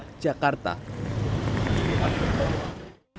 jangan lupa like share dan subscribe